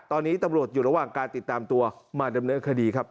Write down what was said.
ตอนนี้ตำรวจอยู่ระหว่างการติดตามตัวมาดำเนินคดีครับ